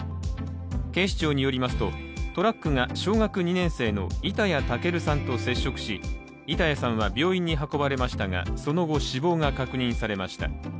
警視庁によりますと、トラックが小学２年生の板谷武瑠さんと接触し板谷さんは病院に運ばれましたがその後、死亡が確認されました。